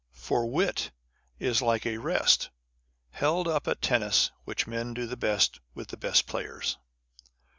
For wit is like a rest Held up at tennis, which men do the best With the best players.